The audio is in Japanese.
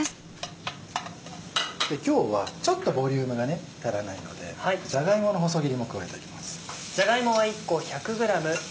今日はちょっとボリュームが足らないのでじゃが芋の細切りも加えていきます。